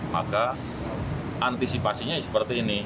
maka antisipasinya seperti ini